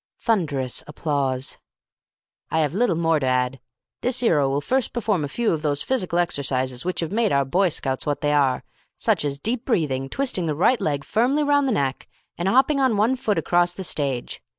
Thunderous applause. "I 'ave little more to add. This 'ero will first perform a few of those physical exercises which have made our Boy Scouts what they are, such as deep breathing, twisting the right leg firmly round the neck, and hopping on one foot across the stage.